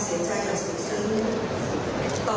ที่ฉันขอเรียนเชิญทุกท่านที่อยู่ในที่นี้